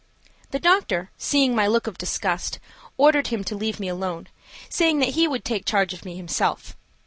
The doctor, seeing my look of disgust, ordered him to leave me alone, saying that he would take charge of me himself.